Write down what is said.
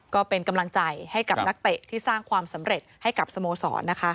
ก็เป็นกำลังใจให้กับนักเตะที่สร้างความสำเร็จให้กับสโมสรนะคะ